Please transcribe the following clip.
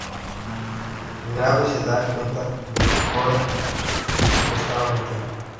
Gabe se da cuenta de que Cordell le estaba mintiendo.